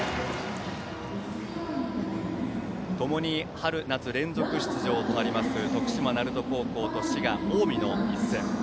ともに春夏連続出場となります徳島・鳴門高校と滋賀・近江の一戦。